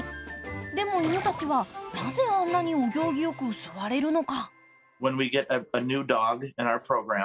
でも、犬たちは、なぜあんなにお行儀よく座れるのか？